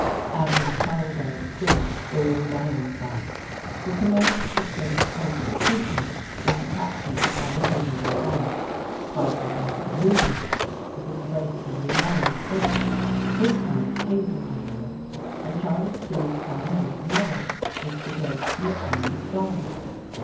Admiral Charles L. Stewart ("Old Ironsides"), who commanded the frigate Constitution when she captured the Cyane and the Levant, fighting them by moonlight, was a great and renowned figure. His parents came from Ireland, and Charles Stewart Parnell's mother was the great sea fighter's daughter.